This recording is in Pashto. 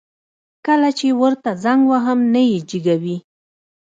کله چي ورته زنګ وهم نه يي جګوي